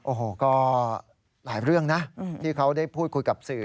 โอ้โหก็หลายเรื่องนะที่เขาได้พูดคุยกับสื่อ